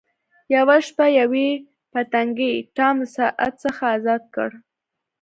یوه شپه یوې پتنګې ټام له ساعت څخه ازاد کړ.